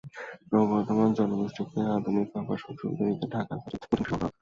ক্রমবর্ধমান জনগোষ্ঠীকে আধুনিক আবাসন-সুবিধা দিতে ঢাকার পাশে নতুন একটি শহর করা হবে।